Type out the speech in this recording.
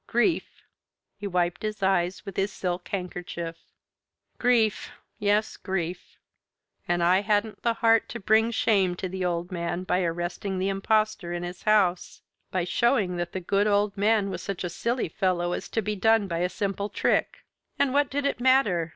Grief!" He wiped his eyes with his silk handkerchief. "Grief. Yes, grief. And I hadn't the heart to bring shame to the old man by arresting the Impostor in his house by showing that the good old man was such a silly old fellow as to be done by a simple trick. And what did it matter?